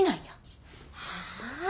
はあ？